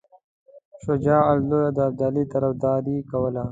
شجاع الدوله د ابدالي طرفداري کوله.